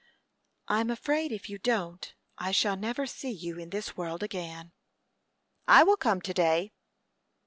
"I'm afraid if you don't, I shall never see you in this world again." "I will come to day."